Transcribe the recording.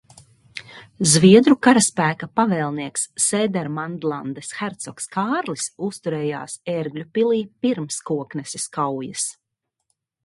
Zviedru karaspēka pavēlnieks Sēdermanlandes hercogs Kārlis uzturējās Ērgļu pilī pirms Kokneses kaujas.